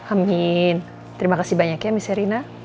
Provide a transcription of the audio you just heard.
amin terima kasih banyak ya miss erina